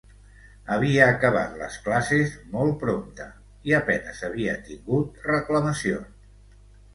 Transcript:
Havia acabat les classes molt prompte i a penes havia tingut reclamacions.